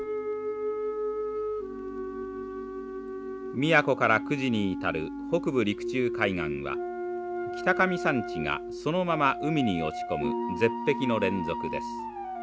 宮古から久慈に至る北部陸中海岸は北上山地がそのまま海に落ち込む絶壁の連続です。